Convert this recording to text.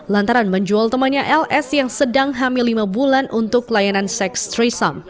lantaran menjual temannya ls yang sedang hamil lima bulan untuk layanan seks trisam